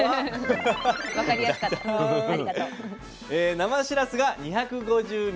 生しらすが２５０ｍｇ。